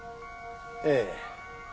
ええ。